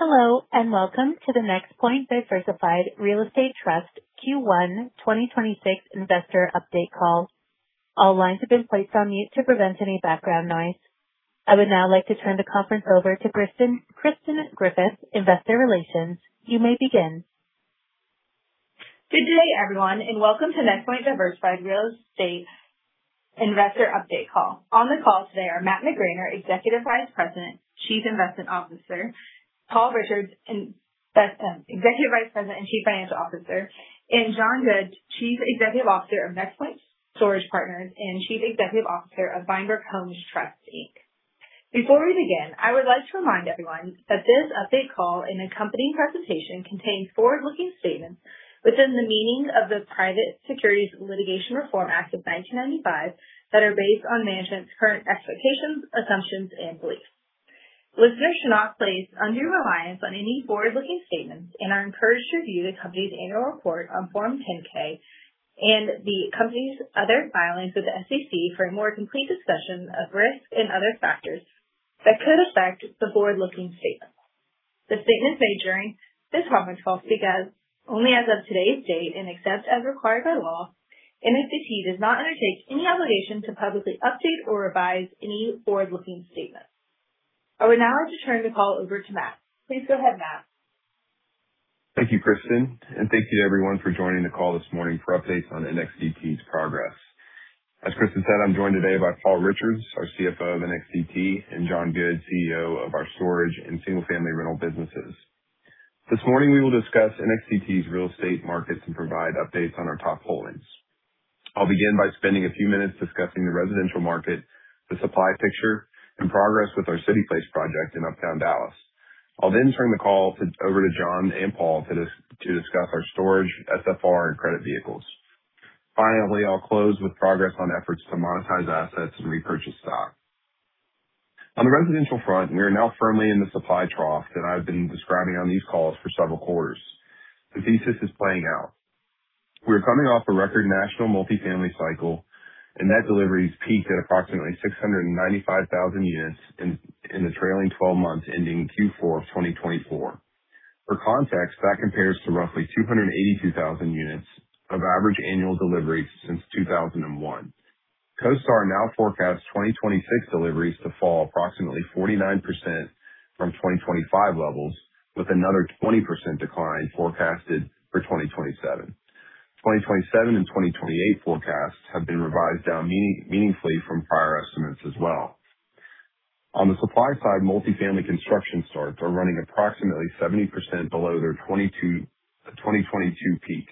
Welcome to the NexPoint Diversified Real Estate Trust Q1 2026 investor update call. All lines have been placed on mute to prevent any background noise. I would now like to turn the conference over to Kristen Griffith, investor relations. You may begin. Good day, everyone. Welcome to NexPoint Diversified Real Estate investor update call. On the call today are Matt McGraner, Executive Vice President, Chief Investment Officer, Paul Richards, Executive Vice President and Chief Financial Officer, and John Good, Chief Executive Officer of NexPoint Storage Partners and Chief Executive Officer of VineBrook Homes Trust, Inc. Before we begin, I would like to remind everyone that this update call and accompanying presentation contains forward-looking statements within the meaning of the Private Securities Litigation Reform Act of 1995 that are based on management's current expectations, assumptions, and beliefs. Listeners should not place undue reliance on any forward-looking statements and are encouraged to review the company's annual report on Form 10-K and the company's other filings with the SEC for a more complete discussion of risks and other factors that could affect the forward-looking statements. The statements made during this conference call speak as only as of today's date. Except as required by law, NXDT does not undertake any obligation to publicly update or revise any forward-looking statements. I would now like to turn the call over to Matt. Please go ahead, Matt. Thank you, Kristen. Thank you to everyone for joining the call this morning for updates on NXDT's progress. As Kristen said, I'm joined today by Paul Richards, our CFO of NXDT, and John Good, CEO of our storage and single-family rental businesses. This morning, we will discuss NXDT's real estate markets and provide updates on our top holdings. I'll begin by spending a few minutes discussing the residential market, the supply picture, and progress with our Cityplace project in uptown Dallas. I'll turn the call over to John and Paul to discuss our storage, SFR, and credit vehicles. Finally, I'll close with progress on efforts to monetize assets and repurchase stock. On the residential front, we are now firmly in the supply trough that I've been describing on these calls for several quarters. The thesis is playing out. We are coming off a record national multifamily cycle, net deliveries peaked at approximately 695,000 units in the trailing 12 months ending Q4 of 2024. For context, that compares to roughly 282,000 units of average annual deliveries since 2001. CoStar now forecasts 2026 deliveries to fall approximately 49% from 2025 levels, with another 20% decline forecasted for 2027. 2027 and 2028 forecasts have been revised down meaningfully from prior estimates as well. On the supply side, multifamily construction starts are running approximately 70% below their 2022 peak.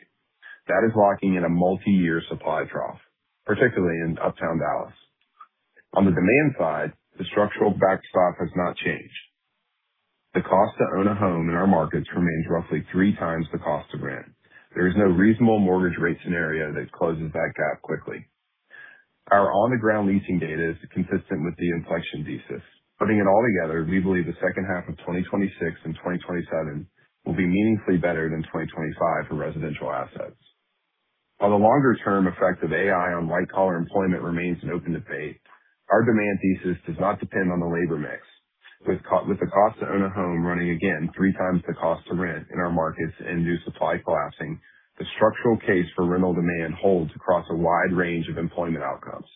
That is locking in a multiyear supply trough, particularly in uptown Dallas. On the demand side, the structural backstop has not changed. The cost to own a home in our markets remains roughly 3 times the cost to rent. There is no reasonable mortgage rate scenario that closes that gap quickly. Our on-the-ground leasing data is consistent with the inflection thesis. Putting it all together, we believe the second half of 2026 and 2027 will be meaningfully better than 2025 for residential assets. While the longer-term effect of AI on white-collar employment remains an open debate, our demand thesis does not depend on the labor mix. With the cost to own a home running again 3 times the cost to rent in our markets and new supply collapsing, the structural case for rental demand holds across a wide range of employment outcomes.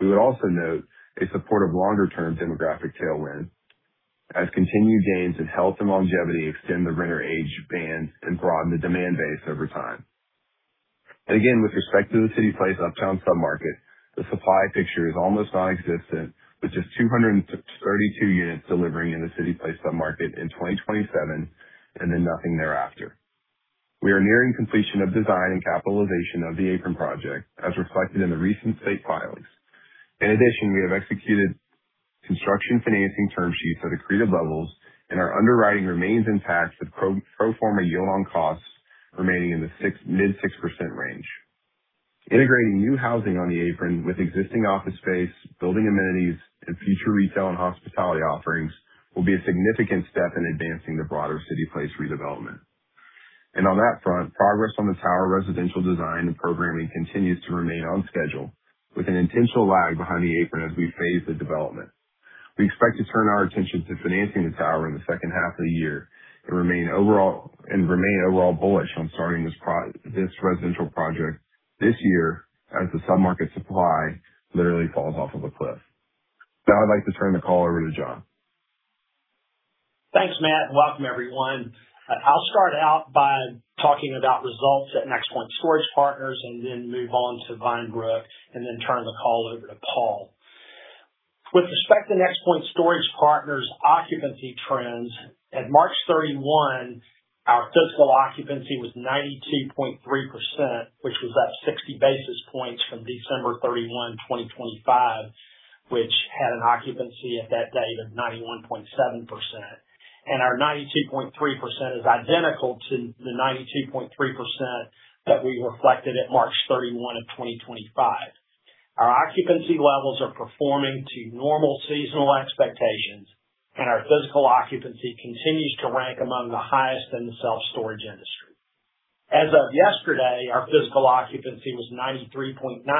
We would also note a support of longer-term demographic tailwinds as continued gains in health and longevity extend the renter age band and broaden the demand base over time. Again, with respect to the CityPlace uptown sub-market, the supply picture is almost nonexistent, with just 232 units delivering in the CityPlace sub-market in 2027, and then nothing thereafter. We are nearing completion of design and capitalization of The Apron project, as reflected in the recent state filings. In addition, we have executed construction financing term sheets at accreted levels, and our underwriting remains intact with pro forma year-long costs remaining in the mid 6% range. Integrating new housing on The Apron with existing office space, building amenities, and future retail and hospitality offerings will be a significant step in advancing the broader CityPlace redevelopment. On that front, progress on the tower residential design and programming continues to remain on schedule, with an intentional lag behind The Apron as we phase the development. We expect to turn our attention to financing the tower in the second half of the year and remain overall bullish on starting this residential project this year as the sub-market supply literally falls off of a cliff. Now I'd like to turn the call over to John. Thanks, Matt. Welcome everyone. I'll start out by talking about results at NexPoint Storage Partners and then move on to VineBrook, and then turn the call over to Paul Richards. With respect to NexPoint Storage Partners' occupancy trends, at March 31, our physical occupancy was 92.3%, which was up 60 basis points from December 31, 2025, which had an occupancy at that date of 91.7%. Our 92.3% is identical to the 92.3% that we reflected at March 31, 2025. Our occupancy levels are performing to normal seasonal expectations, and our physical occupancy continues to rank among the highest in the self-storage industry. As of yesterday, our physical occupancy was 93.9%, 160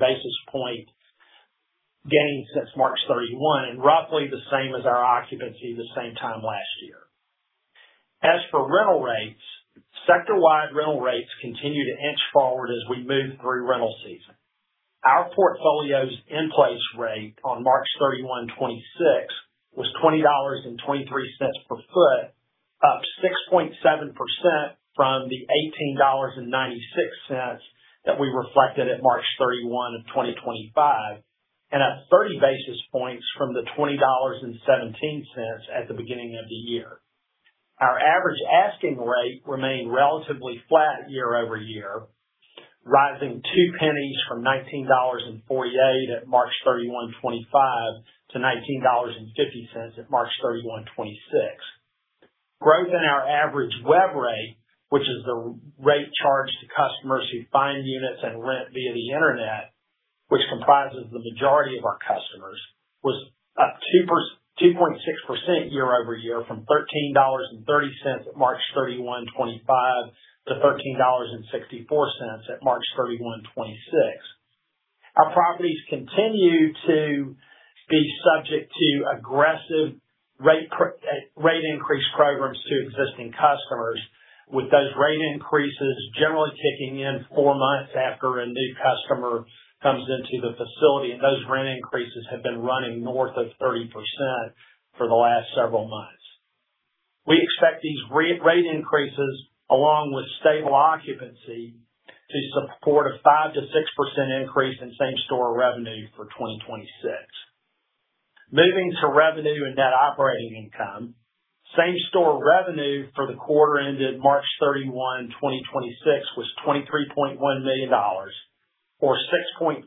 basis point gain since March 31, and roughly the same as our occupancy the same time last year. As for rental rates, sector-wide rental rates continue to inch forward as we move through rental season. Our portfolio's in-place rate on March 31, 2026 was $20.23 per foot, up 6.7% from the $18.96 that we reflected at March 31, 2025, and up 30 basis points from the $20.17 at the beginning of the year. Our average asking rate remained relatively flat year over year, rising $0.02 from $19.48 at March 31, 2025 to $19.50 at March 31, 2026. Growth in our average web rate, which is the rate charged to customers who find units and rent via the internet, which comprises the majority of our customers, was up 2.6% year over year from $13.30 at March 31, 2025 to $13.64 at March 31, 2026. Our properties continue to be subject to aggressive rate increase programs to existing customers, with those rate increases generally kicking in four months after a new customer comes into the facility, and those rent increases have been running north of 30% for the last several months. We expect these rate increases, along with stable occupancy, to support a 5%-6% increase in same-store revenue for 2026. Moving to revenue and net operating income. Same-store revenue for the quarter ended March 31, 2026 was $23.1 million, or 6.4%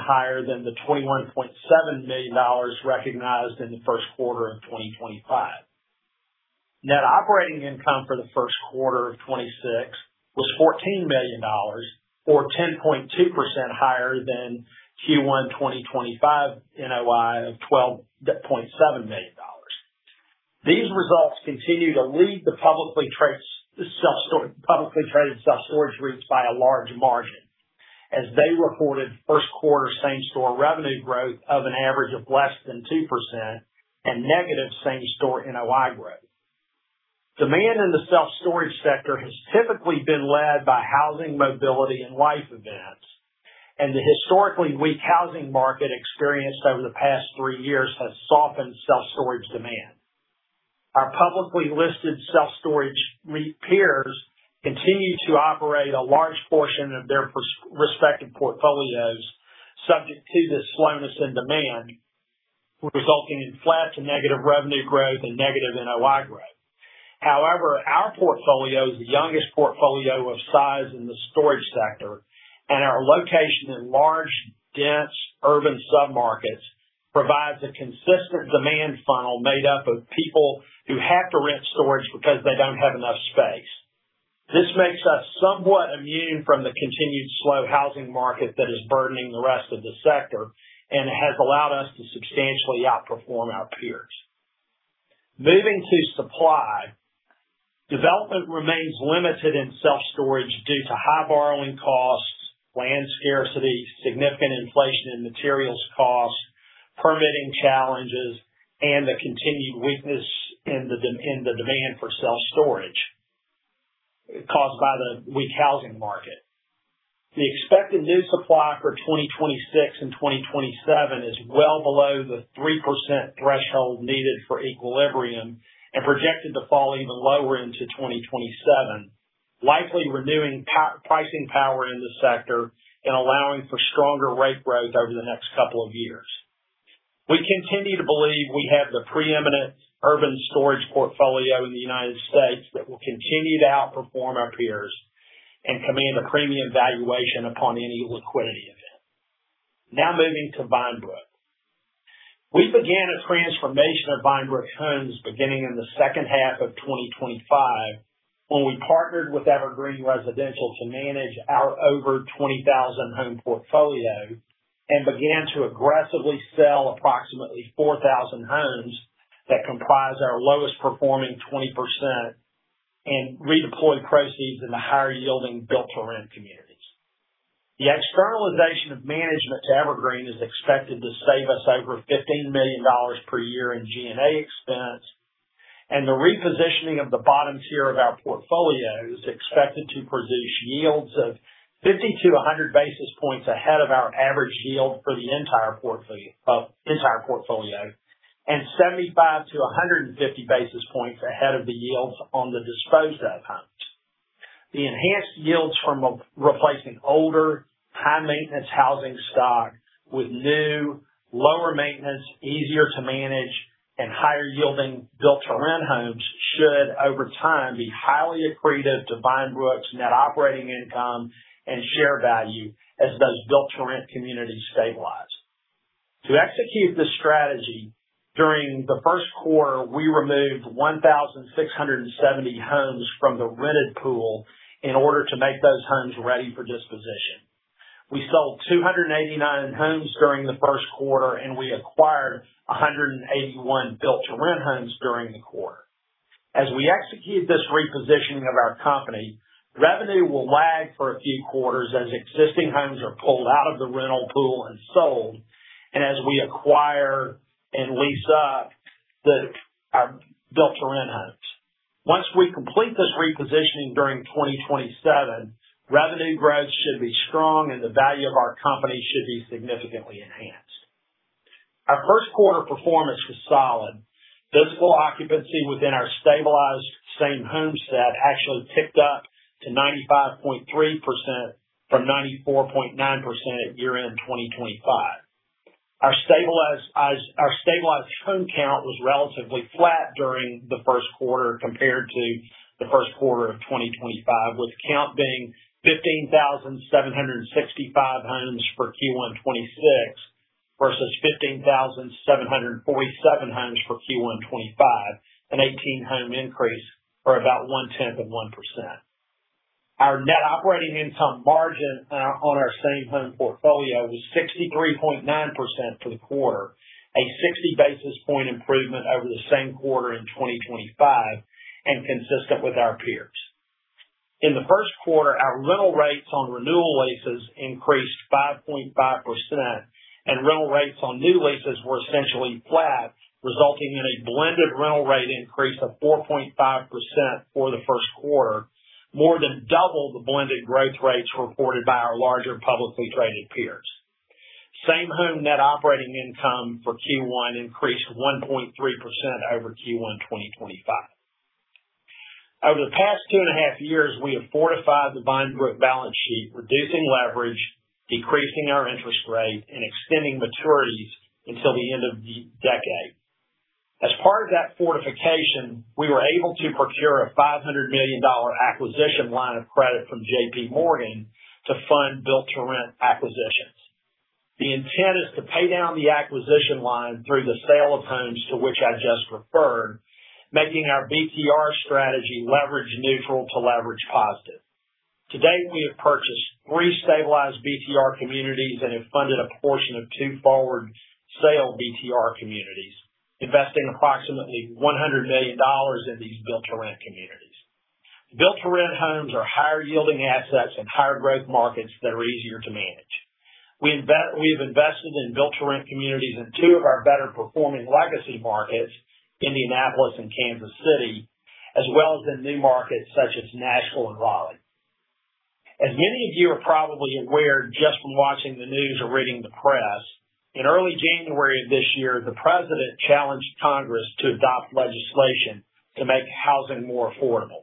higher than the $21.7 million recognized in the first quarter of 2025. Net operating income for the first quarter of 2026 was $14 million, or 10.2% higher than Q1 2025 NOI of $12.7 million. These results continue to lead the publicly traded self-storage REITs by a large margin, as they reported first quarter same-store revenue growth of an average of less than 2% and negative same-store NOI growth. Demand in the self-storage sector has typically been led by housing mobility and life events, and the historically weak housing market experienced over the past three years has softened self-storage demand. Our publicly listed self-storage REIT peers continue to operate a large portion of their respective portfolios subject to this slowness in demand, resulting in flat to negative revenue growth and negative NOI growth. However, our portfolio is the youngest portfolio of size in the storage sector, and our location in large, dense urban submarkets provides a consistent demand funnel made up of people who have to rent storage because they don't have enough space. This makes us somewhat immune from the continued slow housing market that is burdening the rest of the sector and has allowed us to substantially outperform our peers. Moving to supply. Development remains limited in self-storage due to high borrowing costs, land scarcity, significant inflation in materials cost, permitting challenges, and the continued weakness in the demand for self-storage caused by the weak housing market. The expected new supply for 2026 and 2027 is well below the 3% threshold needed for equilibrium and projected to fall even lower into 2027, likely renewing pricing power in the sector and allowing for stronger rate growth over the next couple of years. We continue to believe we have the preeminent urban storage portfolio in the United States that will continue to outperform our peers and command a premium valuation upon any liquidity event. Now moving to VineBrook. We began a transformation of Vinebrook Homes beginning in the second half of 2025 when we partnered with Evergreen Residential to manage our over 20,000 home portfolio and began to aggressively sell approximately 4,000 homes that comprise our lowest performing 20% and redeploy the proceeds in the higher yielding built-to-rent communities. The externalization of management to Evergreen is expected to save us over $15 million per year in G&A expense, and the repositioning of the bottom tier of our portfolio is expected to produce yields of 50 to 100 basis points ahead of our average yield for the entire portfolio, and 75 to 150 basis points ahead of the yields on the disposed of homes. The enhanced yields from replacing older, high-maintenance housing stock with new, lower maintenance, easier to manage, and higher yielding built-to-rent homes should, over time, be highly accretive to Vinebrook's net operating income and share value as those built-to-rent communities stabilize. To execute this strategy, during the first quarter, we removed 1,670 homes from the rented pool in order to make those homes ready for disposition. We sold 289 homes during the first quarter, and we acquired 181 built-to-rent homes during the quarter. As we execute this repositioning of our company, revenue will lag for a few quarters as existing homes are pulled out of the rental pool and sold, and as we acquire and lease up our built-to-rent homes. Once we complete this repositioning during 2027, revenue growth should be strong and the value of our company should be significantly enhanced. Our first quarter performance was solid. Physical occupancy within our stabilized same home set actually ticked up to 95.3% from 94.9% at year-end 2025. Our stabilized home count was relatively flat during the first quarter compared to the first quarter of 2025, with count being 15,765 homes for Q1 2026 versus 15,747 homes for Q1 2025, an 18-home increase, or about one-tenth of 1%. Our net operating income margin on our same home portfolio was 63.9% for the quarter, a 60-basis point improvement over the same quarter in 2025, and consistent with our peers. In the first quarter, our rental rates on renewal leases increased 5.5%, and rental rates on new leases were essentially flat, resulting in a blended rental rate increase of 4.5% for the first quarter, more than double the blended growth rates reported by our larger publicly traded peers. Same home net operating income for Q1 increased 1.3% over Q1 2025. Over the past two and a half years, we have fortified the VineBrook balance sheet, reducing leverage, decreasing our interest rate, and extending maturities until the end of the decade. As part of that fortification, we were able to procure a $500 million acquisition line of credit from JPMorgan to fund built-to-rent acquisitions. The intent is to pay down the acquisition line through the sale of homes to which I just referred, making our BTR strategy leverage neutral to leverage positive. To date, we have purchased three stabilized BTR communities and have funded a portion of two forward sale BTR communities, investing approximately $100 million in these built-to-rent communities. Built-to-rent homes are higher-yielding assets in higher growth markets that are easier to manage. We have invested in built-to-rent communities in two of our better performing legacy markets, Indianapolis and Kansas City, as well as in new markets such as Nashville and Raleigh. As many of you are probably aware just from watching the news or reading the press, in early January of this year, the President challenged Congress to adopt legislation to make housing more affordable.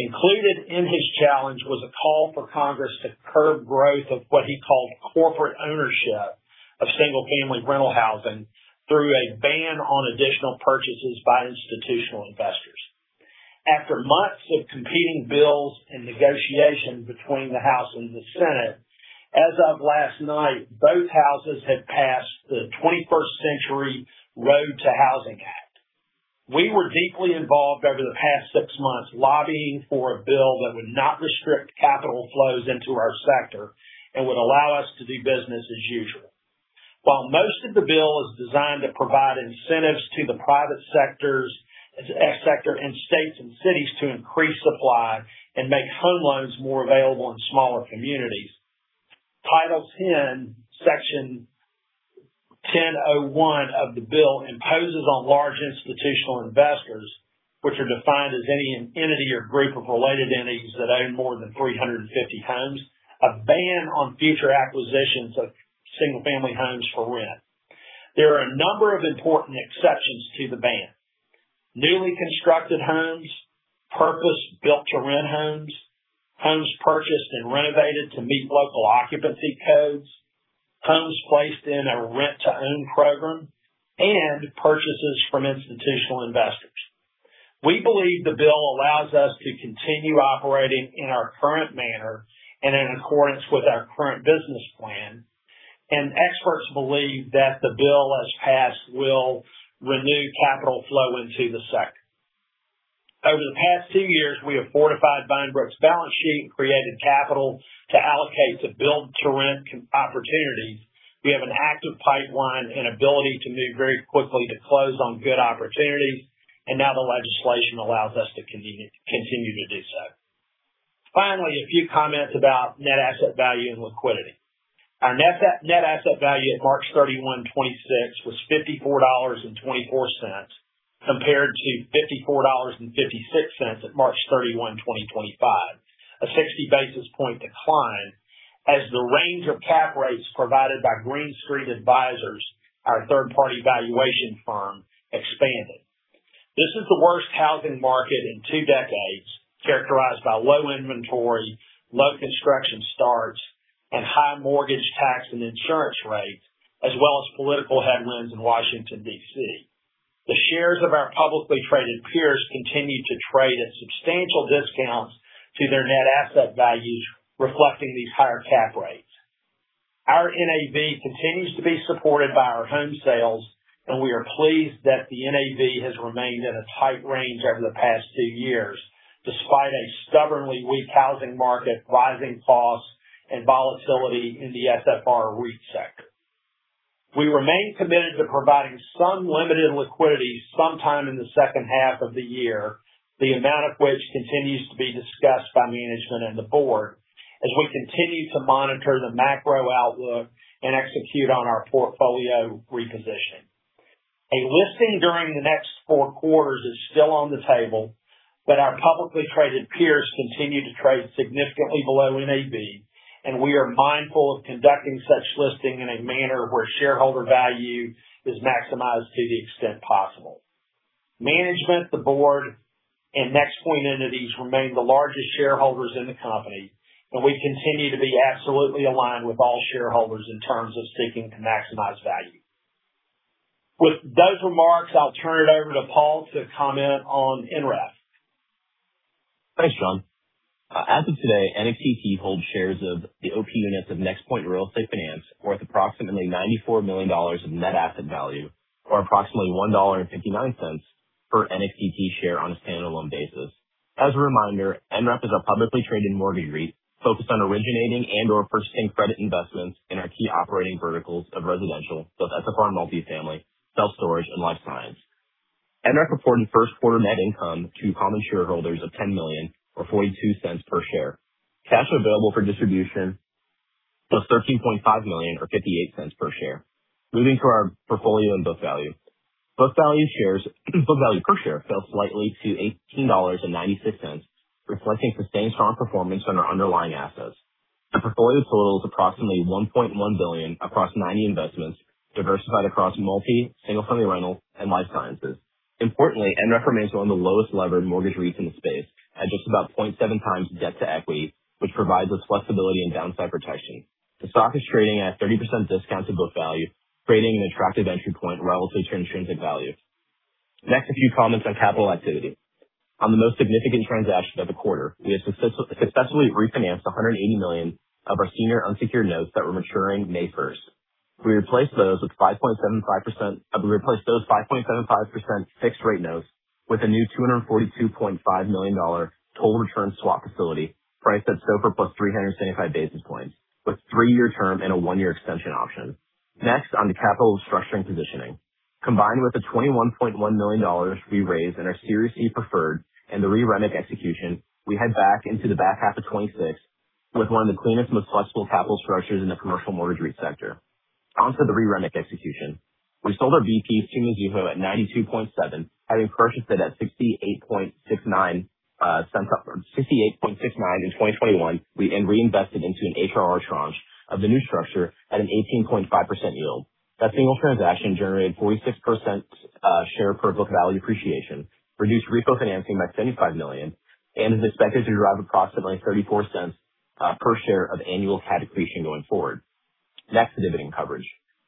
Included in his challenge was a call for Congress to curb growth of what he called corporate ownership of single-family rental housing through a ban on additional purchases by institutional investors. After months of competing bills and negotiation between the House and the Senate, as of last night, both Houses have passed the 21st Century ROAD to Housing Act. We were deeply involved over the past six months, lobbying for a bill that would not restrict capital flows into our sector and would allow us to do business as usual. While most of the bill is designed to provide incentives to the private sectors and states and cities to increase supply and make home loans more available in smaller communities. Title 10, Section 1001 of the bill imposes on large institutional investors, which are defined as any entity or group of related entities that own more than 350 homes, a ban on future acquisitions of single-family homes for rent. There are a number of important exceptions to the ban. Newly constructed homes, purpose-built to rent homes purchased and renovated to meet local occupancy codes, homes placed in a rent-to-own program, and purchases from institutional investors. We believe the bill allows us to continue operating in our current manner and in accordance with our current business plan, and experts believe that the bill as passed will renew capital flow into the sector. Over the past two years, we have fortified VineBrook's balance sheet and created capital to allocate to build-to-rent opportunities. We have an active pipeline and ability to move very quickly to close on good opportunities, and now the legislation allows us to continue to do so. Finally, a few comments about net asset value and liquidity. Our net asset value at March 31, 2026 was $54.24, compared to $54.56 at March 31, 2025. A 60-basis point decline as the range of cap rates provided by Green Street Advisors, our third-party valuation firm, expanded. This is the worst housing market in two decades, characterized by low inventory, low construction starts, and high mortgage tax and insurance rates, as well as political headwinds in Washington, D.C. The shares of our publicly traded peers continue to trade at substantial discounts to their net asset values, reflecting these higher cap rates. Our NAV continues to be supported by our home sales, and we are pleased that the NAV has remained in a tight range over the past two years, despite a stubbornly weak housing market, rising costs, and volatility in the SFR REIT sector. We remain committed to providing some limited liquidity sometime in the second half of the year, the amount of which continues to be discussed by management and the board as we continue to monitor the macro outlook and execute on our portfolio reposition. A listing during the next four quarters is still on the table, but our publicly traded peers continue to trade significantly below NAV, and we are mindful of conducting such listing in a manner where shareholder value is maximized to the extent possible. Management, the board, and NexPoint entities remain the largest shareholders in the company, and we continue to be absolutely aligned with all shareholders in terms of seeking to maximize value. With those remarks, I'll turn it over to Paul to comment on NREF. Thanks, John. As of today, NXDT holds shares of the OP units of NexPoint Real Estate Finance worth approximately $94 million in net asset value, or approximately $1.59 per NXDT share on a stand-alone basis. As a reminder, NREF is a publicly traded mortgage REIT focused on originating and/or purchasing credit investments in our key operating verticals of residential, both SFR and multifamily, self-storage and life science. NREF reported first quarter net income to common shareholders of $10 million or $0.42 per share. Cash available for distribution was $13.5 million or $0.58 per share. Moving to our portfolio and book value. Book value per share fell slightly to $18.96, reflecting sustained strong performance on our underlying assets. Our portfolio totals approximately $1.1 billion across 90 investments diversified across multi, single-family rentals and life sciences. Importantly, NREF remains one of the lowest levered mortgage REITs in the space at just about 0.7 times debt to equity, which provides us flexibility and downside protection. The stock is trading at a 30% discount to book value, creating an attractive entry point relative to intrinsic value. Next, a few comments on capital activity. On the most significant transaction of the quarter, we have successfully refinanced $180 million of our senior unsecured notes that were maturing May 1st. We replaced those 5.75% fixed rate notes with a new $242.5 million total return swap facility priced at SOFR plus 375 basis points, with three-year term and a one-year extension option. Next on the capital structure and positioning. Combined with the $21.1 million we raised in our Series B Preferred and the re-REMIC execution, we head back into the back half of 2026 with one of the cleanest and most flexible capital structures in the commercial mortgage REIT sector. On to the re-REMIC execution. We sold our VPs to MGEHO at 92.7, having purchased it at 68.69 in 2021, and reinvested into an HR tranche of the new structure at an 18.5% yield. That single transaction generated 46% share per book value appreciation, reduced refi financing by $75 million, and is expected to derive approximately $0.34 per share of annual CAD accretion going forward. Next, dividend coverage.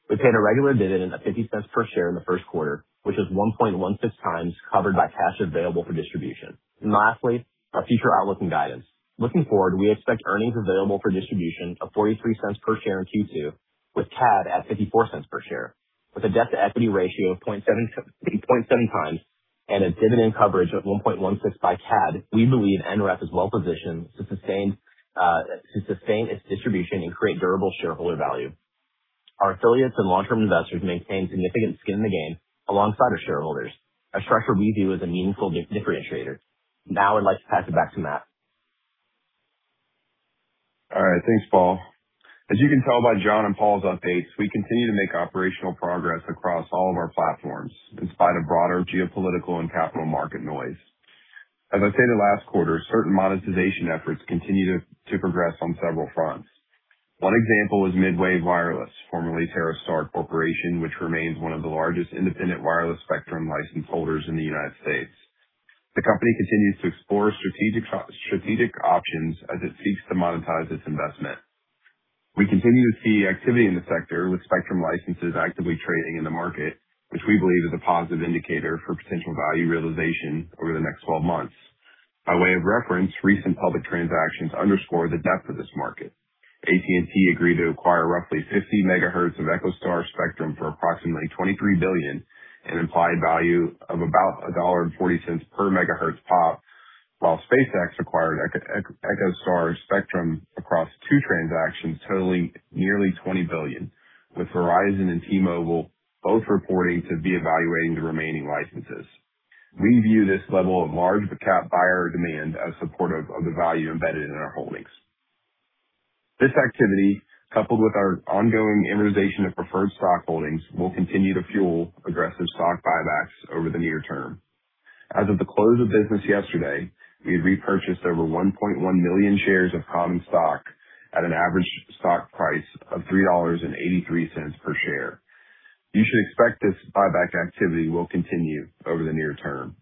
We paid a regular dividend of $0.50 per share in the first quarter, which is 1.16 times covered by cash available for distribution. Lastly, our future outlook and guidance. Looking forward, we expect earnings available for distribution of $0.43 per share in Q2 with CAD at $0.54 per share. With a debt to equity ratio of 0.7 times and a dividend coverage of 1.16 by CAD, we believe NREF is well positioned to sustain its distribution and create durable shareholder value. Our affiliates and long-term investors maintain significant skin in the game alongside our shareholders, a structure we view as a meaningful differentiator. Now I'd like to pass it back to Matt. All right. Thanks, Paul. As you can tell by John and Paul's updates, we continue to make operational progress across all of our platforms in spite of broader geopolitical and capital market noise. As I said the last quarter, certain monetization efforts continue to progress on several fronts. One example is MidWave Wireless, formerly TerreStar Corporation, which remains one of the largest independent wireless spectrum license holders in the U.S. The company continues to explore strategic options as it seeks to monetize its investment. We continue to see activity in the sector with spectrum licenses actively trading in the market, which we believe is a positive indicator for potential value realization over the next 12 months. By way of reference, recent public transactions underscore the depth of this market. AT&T agreed to acquire roughly 50 MHz of EchoStar's spectrum for approximately $23 billion, an implied value of about $1.40 per MHz pop, while SpaceX acquired EchoStar's spectrum across two transactions totaling nearly $20 billion, with Verizon and T-Mobile both reporting to be evaluating the remaining licenses. We view this level of large cap buyer demand as supportive of the value embedded in our holdings. This activity, coupled with our ongoing amortization of preferred stock holdings, will continue to fuel aggressive stock buybacks over the near term. As of the close of business yesterday, we had repurchased over 1.1 million shares of common stock at an average stock price of $3.83 per share. You should expect this buyback activity will continue over the near term.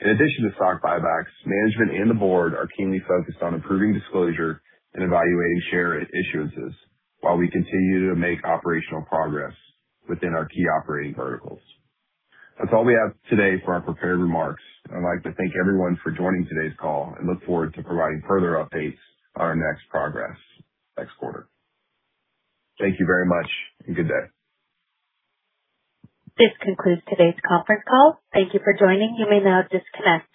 In addition to stock buybacks, management and the board are keenly focused on improving disclosure and evaluating share issuances while we continue to make operational progress within our key operating verticals. That's all we have today for our prepared remarks. I'd like to thank everyone for joining today's call and look forward to providing further updates on our next progress next quarter. Thank you very much and good day. This concludes today's conference call. Thank you for joining. You may now disconnect.